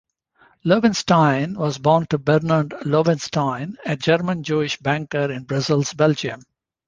Loewenstein was born to Bernard Loewenstein, a German-Jewish banker in Brussels, Belgium.